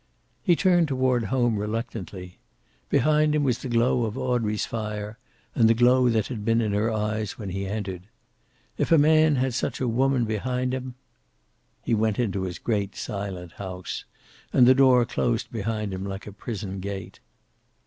He turned toward home reluctantly. Behind him was the glow of Audrey's fire, and the glow that had been in her eyes when he entered. If a man had such a woman behind him... He went into his great, silent house, and the door closed behind him like a prison gate.